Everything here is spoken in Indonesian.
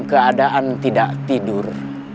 keadaan tidak tidur